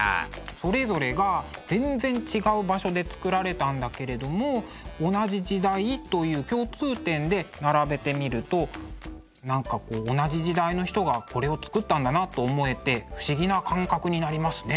それぞれが全然違う場所でつくられたんだけれども同じ時代という共通点で並べてみると何か同じ時代の人がこれをつくったんだなと思えて不思議な感覚になりますね。